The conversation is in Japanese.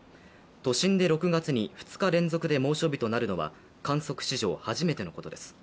都心で６月に２日連続で猛暑日となるのは観測史上初めてのことです。